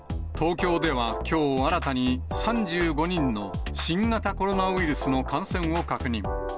東京では、きょう、新たに３５人の新型コロナウイルスの感染を確認。